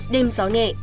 đêm gió nghẹ